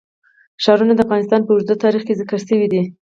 ښارونه د افغانستان په اوږده تاریخ کې ذکر شوی دی.